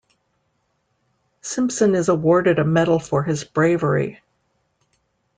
Simpson is awarded a medal for his bravery.